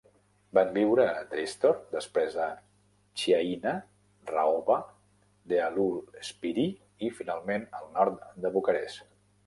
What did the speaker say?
Van viure a Dristor, després a Chiajna, Rahova, Dealul Spirii i finalment al nord de Bucarest.